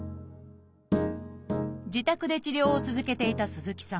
自宅で治療を続けていた鈴木さん。